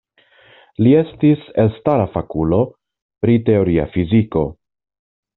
Li estis elstara fakulo pri teoria fiziko.